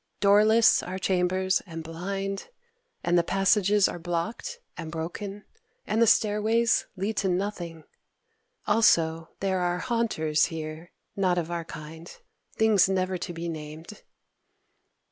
Doorless our chambers and blind; and the passages are blocked and broken; and the stairways lead to nothing. Also there are Haunters here, not of our kind, Things never to be named."